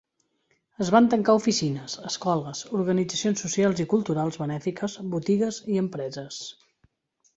Es van tancar oficines, escoles, organitzacions socials i culturals benèfiques, botigues i empreses.